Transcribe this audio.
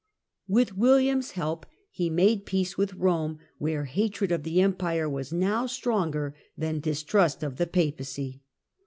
With William's help he made peace with Eome, where hatred of the Empire was now stronger than distrust of the Papacy.